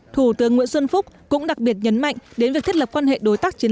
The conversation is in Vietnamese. thủ tướng nguyễn xuân phúc cũng đặc biệt nhấn mạnh đến việc thiết lập quan hệ đối tác chiến